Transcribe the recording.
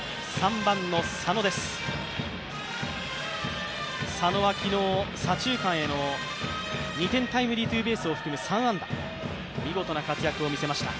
佐野は昨日、左中間への２点タイムリーツーベースを含む３安打、見事な活躍を見せました。